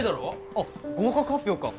あっ合格発表か。